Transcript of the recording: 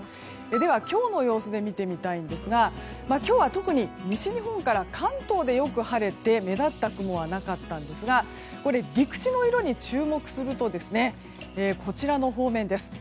では、今日の様子で見てみたいんですが今日は特に西日本から関東でよく晴れて目立った雲はなかったんですが陸地の色に注目するとこちらの方面です。